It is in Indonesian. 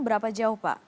berapa jauh pak